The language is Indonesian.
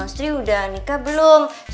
sri sudah menikah atau tidak